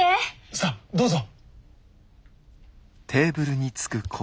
さどうぞ。